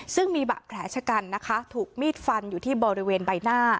ซึ่งมีบาดแผลชะกันนะคะถูกมีดฟันอยู่ที่บริเวณใบหน้า